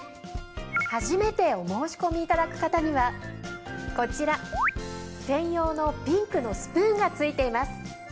初めてお申込みいただく方にはこちら専用のピンクのスプーンが付いています。